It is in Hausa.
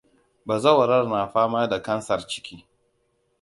Bazawarar na fama da kansar ciki.